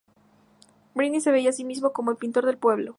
Breitner se veía a sí mismo como el pintor del Pueblo.